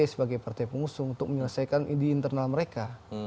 sebagai partai pengusung untuk menyelesaikan di internal mereka